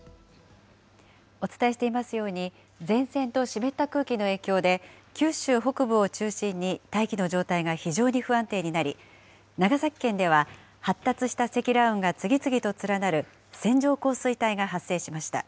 お伝えしていますように、前線と湿った空気の影響で九州北部を中心に大気の状態が非常に不安定になり、長崎県では発達した積乱雲が積乱雲が次々と連なる線状降水帯が発生しました。